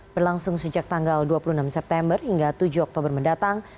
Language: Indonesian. berlangsung sejak tanggal dua puluh enam september hingga tujuh oktober mendatang